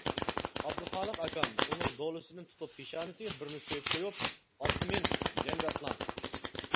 ئابدۇخالىق ئاكام ئۇنىڭ دولىسىدىن تۇتۇپ پېشانىسىگە بىرنى سۆيۈپ قويۇپ: -ئاتقا مىن، جەڭگە ئاتلان!